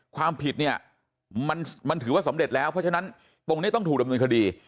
ความผิดเนี่ยมันถือว่าสำเร็จแล้วเพราะฉะนั้นตรงนี้ต้องถูกดำเนินคดี